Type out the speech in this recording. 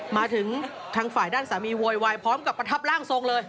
มาถึงทางฝ่ายด้านสามีโวยวายพร้อมกับประทับร่างทรงเลย